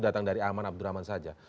datang dari aman abdurrahman saja